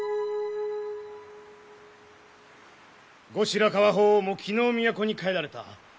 後白河法皇も昨日都に帰られた。